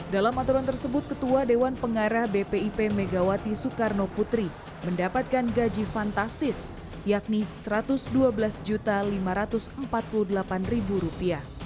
dalam aturan tersebut ketua dewan pengarah bpip megawati soekarno putri mendapatkan gaji fantastis yakni rp satu ratus dua belas lima ratus empat puluh delapan